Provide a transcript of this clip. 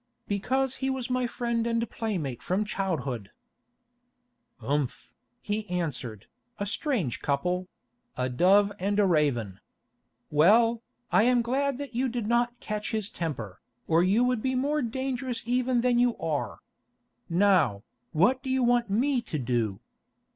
"Because he was my friend and playmate from childhood." "Umph," he answered, "a strange couple—a dove and a raven. Well, I am glad that you did not catch his temper, or you would be more dangerous even than you are. Now, what do you want me to do?"